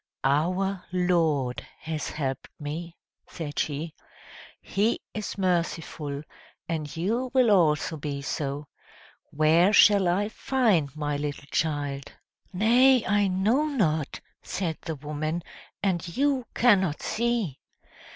"OUR LORD has helped me," said she. "He is merciful, and you will also be so! Where shall I find my little child?" "Nay, I know not," said the woman, "and you cannot see!